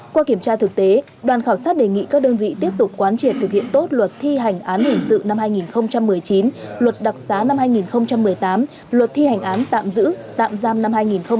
qua kiểm tra thực tế đoàn khảo sát đề nghị các đơn vị tiếp tục quán triệt thực hiện tốt luật thi hành án hình sự năm hai nghìn một mươi chín luật đặc xá năm hai nghìn một mươi tám luật thi hành án tạm giữ tạm giam năm hai nghìn một mươi bảy